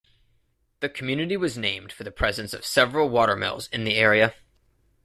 The community was named for the presence of several watermills in the area.